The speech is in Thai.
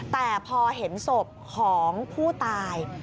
แต่พอเห็นศพของผู้ตาย